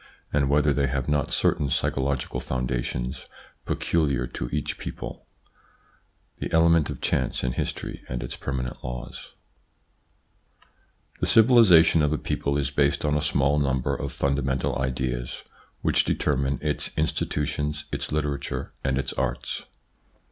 and whether they have not certain psychological foundations peculiar to each people ? The element of chance in history and its permanent laws. f^HE civilisation of a people is based on a small * number of fundamental ideas, which determine its institutions, its literature and its arts.